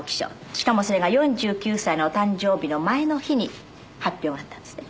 しかもそれが４９歳のお誕生日の前の日に発表があったんですって？